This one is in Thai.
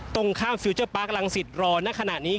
ตรงข้ามฟิลเจอร์ปาร์คลังศิษย์รอณขณะนี้